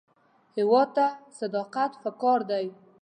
هېواد ته صداقت پکار دی